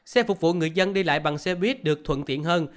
xe phục vụ người dân đi lại bằng xe buýt được thuận tiện hơn